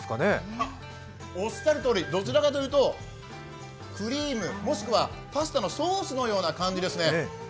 あ、おっしゃるとおりどちらかというと、クリームもしくはパスタのソースのような感じですね。